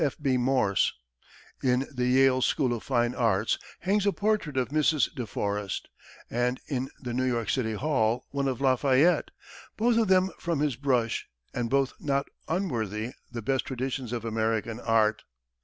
F. B. Morse. In the Yale School of Fine Arts hangs a portrait of Mrs. De Forest, and in the New York City Hall one of Lafayette, both of them from his brush, and both not unworthy the best traditions of American art.